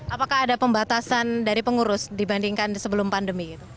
apakah ada pembatasan dari pengurus dibandingkan sebelum pandemi